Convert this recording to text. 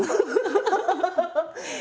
ハハハハ！